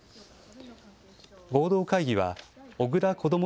合同会議は小倉こども